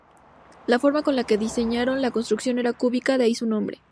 La forma con la que diseñaron la construcción era cúbica, de ahí su nombre.